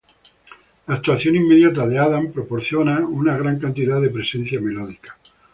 La actuación inmediata de Adams proporciona una gran cantidad de presencia melódica.